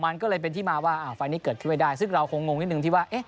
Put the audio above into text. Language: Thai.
มันก็เลยเป็นที่มาว่าไฟล์นี้เกิดขึ้นไม่ได้ซึ่งเราคงงนิดนึงที่ว่า